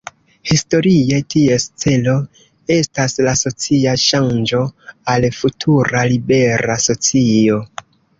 Historie ties celo estas la socia ŝanĝo al futura libera socio.